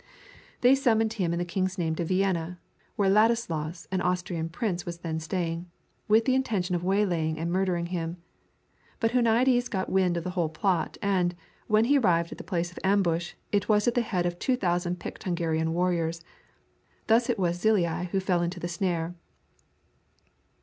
They summoned him in the king's name to Vienna, where Ladislaus as an Austrian prince was then staying, with the intention of waylaying and murdering him. But Huniades got wind of the whole plot, and, when he arrived at the place of ambush, it was at the head of 2,000 picked Hungarian warriors. Thus it was Czillei who fell into the snare.